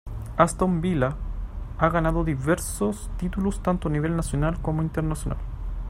Aston Villa ha ganado diversos títulos tanto a nivel nacional como internacional.